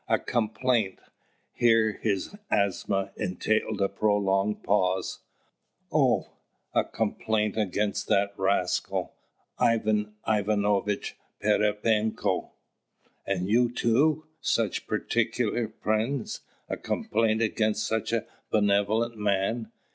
"A complaint..." here his asthma entailed a prolonged pause "Oh! a complaint against that rascal Ivan Ivanovitch Pererepenko!" "And you too! Such particular friends! A complaint against such a benevolent man?"